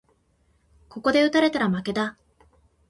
ここで打たれたら負けだ